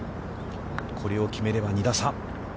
これを決めれば２打差。